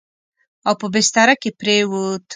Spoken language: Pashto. او په بستره کې پرېووت.